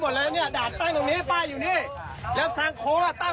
ไม่ใช่มีอำนาจแล้วมาทำอย่างนี้กับเด็กน้อยมัน